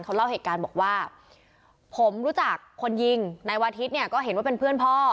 เขาเล่าเหตุการณ์บอกว่าผมรู้จักคนยิงนายวาทิศเนี่ยก็เห็นว่าเป็นเพื่อนพ่อ